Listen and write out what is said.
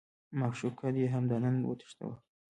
معشوقه دې همدا نن وتښتوه.